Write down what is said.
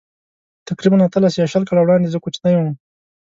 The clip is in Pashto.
تقریباً اتلس یا شل کاله وړاندې زه کوچنی وم.